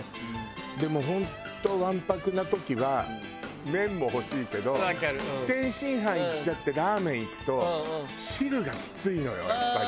でも本当わんぱくな時は麺も欲しいけど天津飯いっちゃってラーメンいくと汁がきついのよやっぱり。